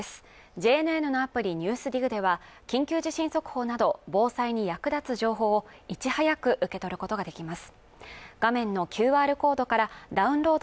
ＪＮＮのアプリ「ＮＥＷＳＤＩＧ」では緊急地震速報など防災に役立つ情報をいち早く受け取ることができます